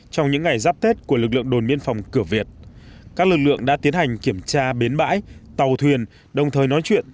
trong những ngày giáp tết của lực lượng đồn biên phòng cửa việt các lực lượng đã tiến hành kiểm tra bến bãi tàu thuyền đồng thời nói chuyện